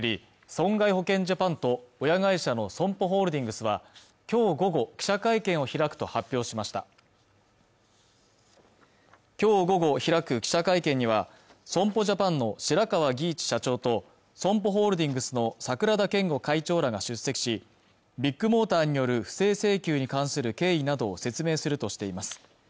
損害保険ジャパンと親会社のＳＯＭＰＯホールディングスはきょう午後記者会見を開くと発表しましたきょう午後開く記者会見には損保ジャパンの白川儀一社長とＳＯＭＰＯホールディングスの櫻田謙悟会長らが出席しビッグモーターによる不正請求に関する経緯などを説明するとしています